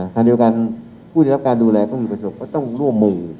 ทางเดียวกันผู้ได้รับการดูแลก็มีประสบก็ต้องร่วมมือ